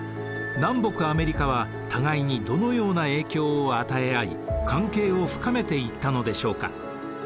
南北アメリカは互いにどのような影響を与え合い関係を深めていったのでしょうか。